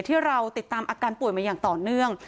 ที่เราติดตามอาการป่วยมาอย่างต่อเนื่อง